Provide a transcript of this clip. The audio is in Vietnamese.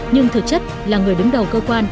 nhưng thực chất là người đứng đầu cơ quan